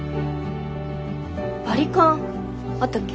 バリカンあったっけ？